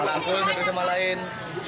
apalagi saya bersama lain